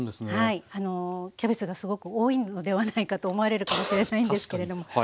はいキャベツがすごく多いのではないかと思われるかもしれないんですけれども。